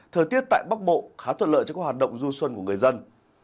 thời tiết tại bắc bộ khá thuận lợi cho các hoạt động du xuân của người dân